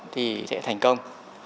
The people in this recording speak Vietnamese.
thì sẽ thành công